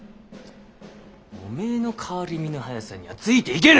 おめぇの変わり身の早さにはついていげぬ。